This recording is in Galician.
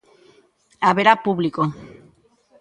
Haberá público.